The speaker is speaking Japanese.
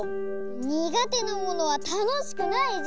にがてなものはたのしくないじゃん。